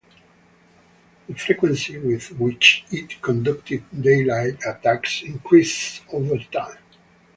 The frequency with which it conducted daylight attacks increased over time.